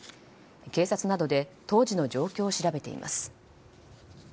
警察などで当時の状況を調べています。